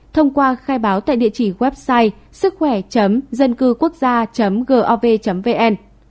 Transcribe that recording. thông qua khai báo tại địa chỉ website sứckhoẻ dâncưquốc gia gov vn